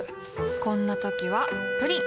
こんな時はプリン